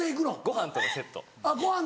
ご飯とのセット。